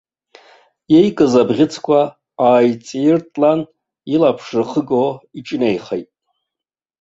Иикыз абӷьыцқәа ааиҵиртлан илаԥш рхыго иҿынеихеит.